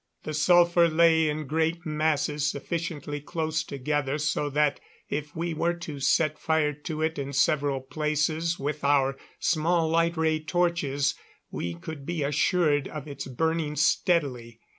The sulphur lay in great masses sufficiently close together so that if we were to set fire to it in several places with our small light ray torches we could be assured of its burning steadily.